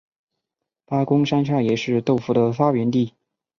八公山下也是豆腐的发源地。